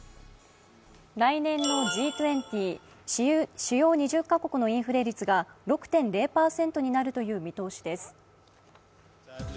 来年のＧ２０＝主要２０か国のインフレ率が６．０％になるという見通しです。